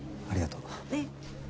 ありがとう。えっ。